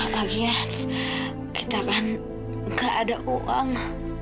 lagian kita kan gak ada uang